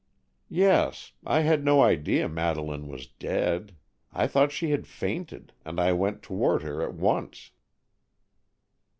"Yes; I had no idea Madeleine was dead. I thought she had fainted, and I went toward her at once."